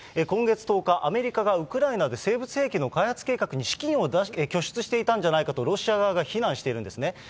今月１０日、アメリカがウクライナで生物兵器の開発計画に資金を拠出していたんじゃないかと、ロシア側が非難しているんですね。